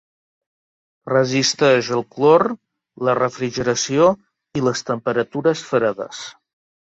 Resisteix al clor, la refrigeració i les temperatures fredes.